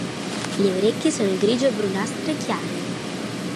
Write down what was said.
Le orecchie sono grigio-brunastre chiare.